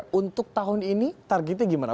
nah untuk tahun ini targetnya gimana